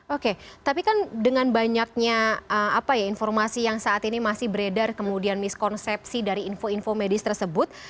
oke tapi kan dengan banyaknya informasi yang saat ini masih beredar kemudian miskonsepsi dari info info medis tersebut